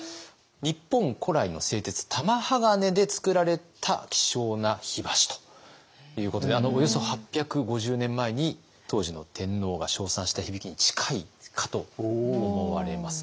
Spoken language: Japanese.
日本古来の製鉄玉鋼でつくられた希少な火箸ということでおよそ８５０年前に当時の天皇が称賛した響きに近いかと思われます。